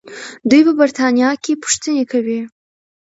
دوی په برتانیا کې پوښتنې کوي.